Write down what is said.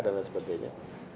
dan lain sebagainya